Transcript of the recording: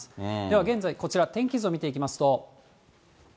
では現在、こちら、天気図を見ていきますと。